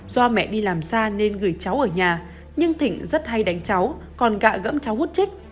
do mẹ đi làm xa nên gửi cháu ở nhà nhưng thịnh rất hay đánh cháu còn gạ gẫm cháu hút chích